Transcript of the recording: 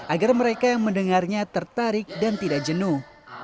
agar mereka yang mendengarnya tertarik dan tidak jenuh